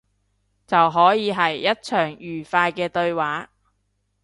就可以係一場愉快嘅對話